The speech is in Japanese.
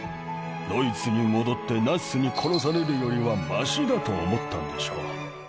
ドイツに戻ってナチスに殺されるよりはましだと思ったんでしょう。